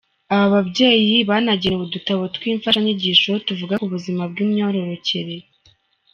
Aba babyeyi banagenewe udutabo tw’imfashanyigisho tuvuga ku buzima bw’imyororokere.